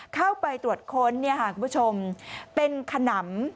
เข้าไปตรวจค้นคุณผู้ชมเป็นขนำ